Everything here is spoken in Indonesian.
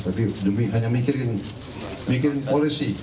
tapi demi hanya mikirin mikir polisi